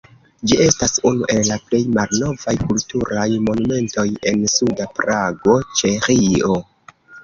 Ĝi estas unu el la plej malnovaj kulturaj monumentoj en suda Prago, Ĉeĥio.